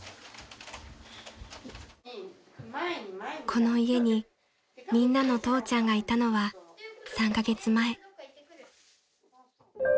［この家にみんなの父ちゃんがいたのは３カ月前］